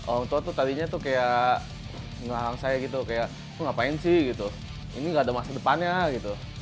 orang tua tuh tadinya tuh kayak ngelang saya gitu kayak aku ngapain sih gitu ini gak ada masa depannya gitu